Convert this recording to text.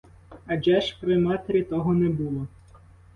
Адже ж при матері того не було!